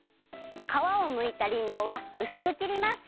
かわをむいたりんごはうすくきります。